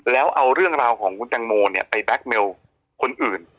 แล้วเอาเรื่องราวของคุณแตงโมเนี่ยไปแก๊กเมลคนอื่น